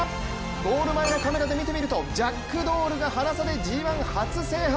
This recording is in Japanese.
ゴール前のカメラで見てみるとジャックドールがハナ差でＧⅠ初制覇。